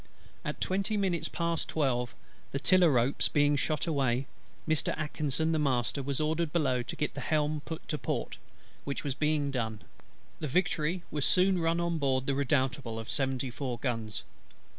At twenty minutes past twelve, the tiller ropes being shot away, Mr. ATKINSON, the Master, was ordered below to get the helm put to port; which being done, the Victory was soon run on board the Redoutable of seventy four guns.